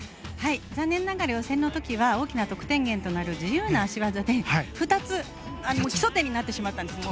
残念ながら予選の時は大きな得点源となる自由な脚技で２つ、基礎点になってしまったんですね。